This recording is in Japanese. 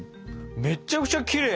めちゃくちゃきれい！